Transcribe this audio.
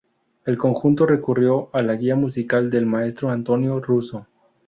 El conjunto recurrió a la guía musical del maestro Antonio Russo.